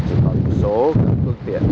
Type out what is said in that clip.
chỉ có một số phương tiện